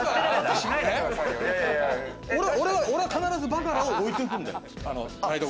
俺は必ずバカラを置いとくんだよ。